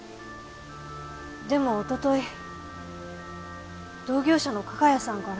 でも一昨日同業者の加賀谷さんから。